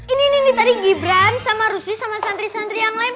ini nih tadi gibran sama rusi sama santri santri yang lain